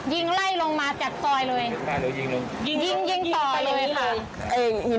ยิงไล่ลงมาจากซอยเลยยิงยิงต่อเลยค่ะ